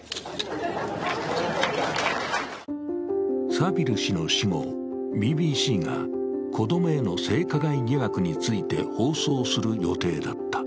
サヴィル氏の死後、ＢＢＣが子供への性加害疑惑について放送する予定だった。